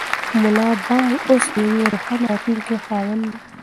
ملا بانګ اوس د یوې روښانه راتلونکې خاوند دی.